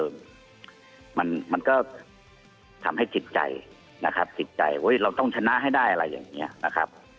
มันก็ทำให้จิตใจนะครับจิตใจเราต้องชนะให้ได้อะไรอย่างนี้นะครับ